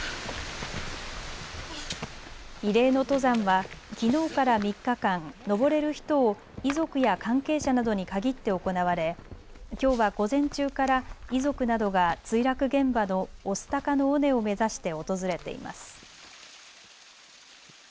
慰霊の登山はきのうから３日間、登れる人を遺族や関係者などに限って行われきょうは午前中から遺族などが墜落現場の御巣鷹の尾根を目指して訪れています。